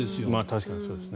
確かにそうですね。